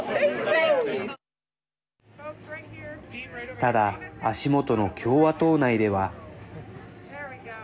ただ、足元の共和党内では。